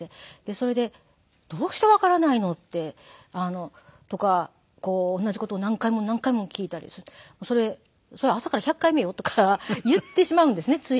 それで「どうしてわからないの？」とか同じ事を何回も何回も聞いたりするんで「それ朝から１００回目よ」とか言ってしまうんですねつい。